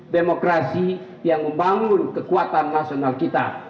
demokrasi yang membangun kekuatan nasional kita